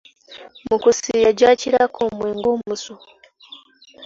Mu kusiiya gyakirako omwenge omusu.